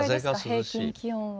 平均気温は。